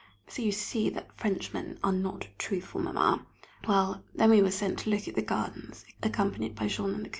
So you see that Frenchmen are not truthful, Mamma! Well then we were sent to look at the gardens, accompanied by Jean and the Curé.